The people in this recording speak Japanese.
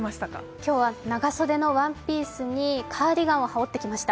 今日は長袖のワンピースにカーディガンをはおってきました。